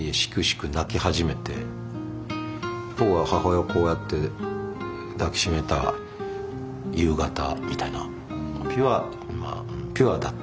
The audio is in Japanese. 泣き始めて僕が母親をこうやって抱き締めた夕方みたいな。